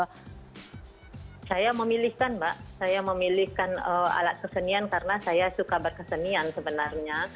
hai saya memilihkan mbak saya memilihkan alat kesenian karena saya suka berkesenian sebenarnya